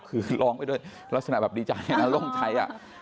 คือร้องไปด้วยลักษณะแบบดีใจนะโล่งใจ